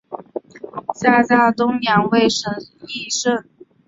下嫁东阳尉申翊圣。